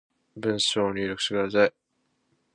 文章を入力してください